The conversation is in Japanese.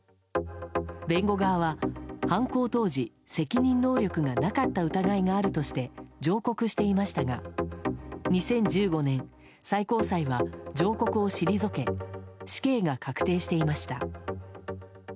弁護側は犯行当時、責任能力がなかった疑いがあるとして上告していましたが２０１５年最高裁は上告を退け死刑が確定していました。